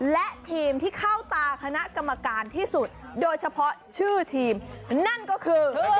และทีมที่เข้าตาคณะกรรมการที่สุดโดยเฉพาะชื่อทีมนั่นก็คือ